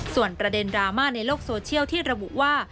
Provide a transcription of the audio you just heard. ส่วนประเด็นดราม่าในโลกโซเชียลที่ระบุว่า